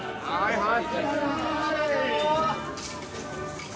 はい。